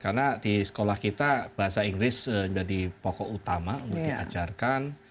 karena di sekolah kita bahasa inggris menjadi pokok utama untuk diajarkan